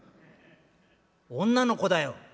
「女の子だよ」。